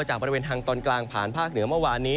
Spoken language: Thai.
บริเวณทางตอนกลางผ่านภาคเหนือเมื่อวานนี้